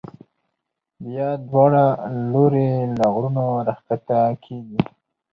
بیا دواړه لوري له غرونو را کښته کېږي.